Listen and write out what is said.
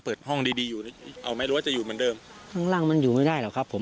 เปิดห้องดีดีอยู่เอาไม่รู้ว่าจะอยู่เหมือนเดิมข้างล่างมันอยู่ไม่ได้หรอกครับผม